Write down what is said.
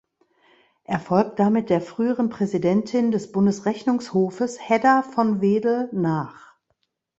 Er folgt damit der früheren Präsidentin des Bundesrechnungshofes Hedda von Wedel nach.